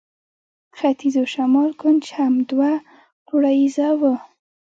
ختیځ او شمال کونج هم دوه پوړیزه وه.